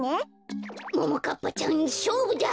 ももかっぱちゃんしょうぶだ！